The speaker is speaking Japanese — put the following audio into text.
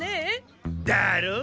だろう？